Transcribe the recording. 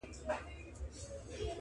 چي تر شا وه پاته سوي دوه ملګري -